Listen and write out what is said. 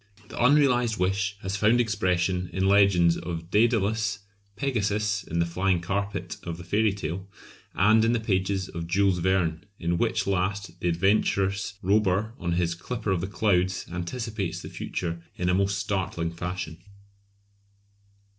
The unrealised wish has found expression in legends of Dædalus, Pegasus, in the "flying carpet" of the fairy tale, and in the pages of Jules Verne, in which last the adventurous Robur on his "Clipper of the Clouds" anticipates the future in a most startling fashion.